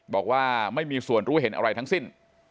บอกว่าไม่มีส่วนรู้เห็นอะไรทั้งสิ้น